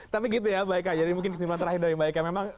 tapi gitu ya mbak eka jadi mungkin kesimpulan terakhir dari mbak eka